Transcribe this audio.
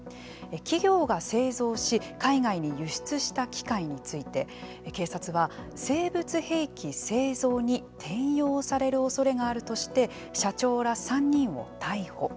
企業が製造し海外に輸出した機械について警察は、生物兵器製造に転用されるおそれがあるとして社長ら３人を逮捕。